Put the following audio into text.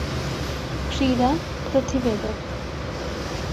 ক্রীড়া প্রতিবেদক